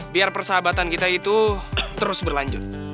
biar persahabatan kita itu terus berlanjut